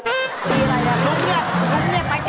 แล้วลุงอะไรล่ะ